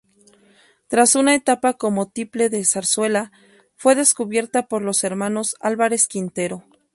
Tras una etapa como tiple de Zarzuela, fue descubierta por los hermanos Álvarez Quintero.